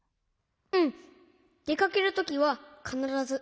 うん。でかけるときはかならず。